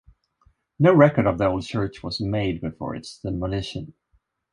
No record of the old church was made before its demolition.